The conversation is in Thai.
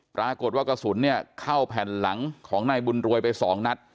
ปรากฏว่ากระสุนเนี่ยเข้าแผ่นหลังของนายบุญรวยไป๒นัด